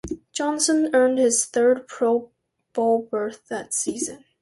Johnson earned his third Pro Bowl berth that season.